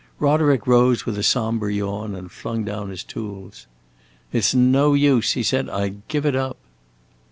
Roderick rose with a sombre yawn and flung down his tools. "It 's no use," he said, "I give it up!"